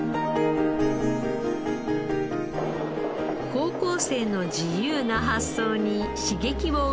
高校生の自由な発想に刺激を受けた川副シェフ。